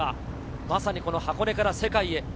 まさに箱根から世界へ。